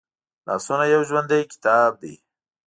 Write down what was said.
لاسونه یو ژوندی کتاب دی